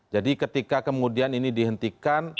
jadi ketika kemudian ini dihentikan